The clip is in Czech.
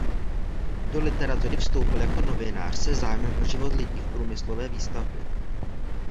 Do literatury vstoupil jako novinář se zájmem o život lidí v průmyslové výstavbě.